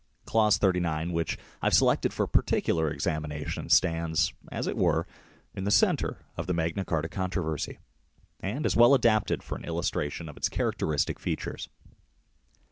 Clause 39 which I have selected for particular examination stands, as it were, in the centre of the Magna Carta controversy, and is well adapted for an illustration of its characteristic features.